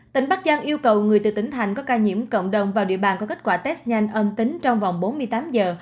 tỉnh bắc giang yêu cầu người từ tỉnh thành có ca nhiễm cộng đồng vào địa bàn có kết quả test nhanh âm tính trong vòng bốn mươi tám giờ